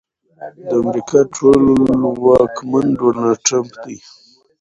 د امريکا ټولواکمن ډونالډ ټرمپ دی.